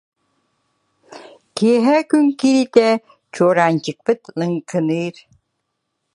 Киэһэ күн киириитэ чуораанчыкпыт лыҥкыныыр.